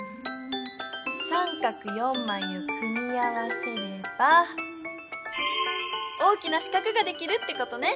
三角４まいを組み合わせれば大きな四角ができるってことね！